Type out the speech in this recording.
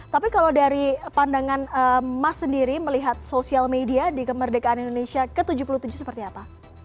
tapi kalau dari pandangan mas sendiri melihat sosial media di kemerdekaan indonesia ke tujuh puluh tujuh seperti apa